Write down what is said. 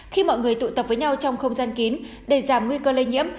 khi mọi người tụ tập với nhau trong không gian kín để giảm nguy cơ lây nhiễm